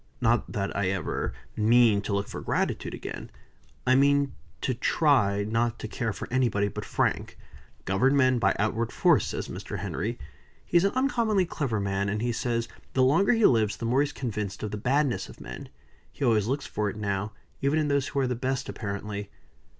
Not that I ever mean to look for gratitude again. I mean to try, not to care for anybody but Frank. 'Govern men by outward force,' says Mr. Henry. He is an uncommonly clever man, and he says, the longer he lives, the more he is convinced of the badness of men. He always looks for it now, even in those who are the best, apparently."